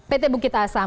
pt bukit asam